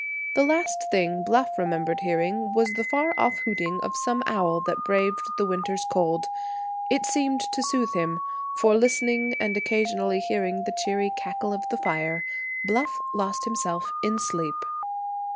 The last thing Bluff remembered hearing was the far off hooting of some owl that braved the winter's cold. It seemed to soothe him, for, listening, and occasionally hearing the cheery cackle of the fire, Bluff lost himself in sleep.